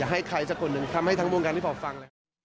อย่าให้ใครจะคนนึงทำให้ทั้งวงการที่ผมฟัง